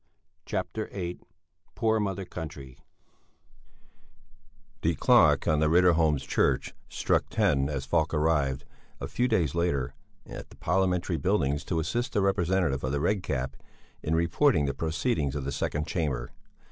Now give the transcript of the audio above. CHAPTER VIII POOR MOTHER COUNTRY The clock on the Riddarholms Church struck ten as Falk arrived, a few days later, at the Parliamentary buildings to assist the representative of the Red Cap in reporting the proceedings of the Second Chamber.